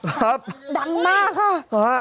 ครับดังมากค่ะ